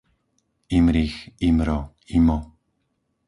Imrich, Imro, Imo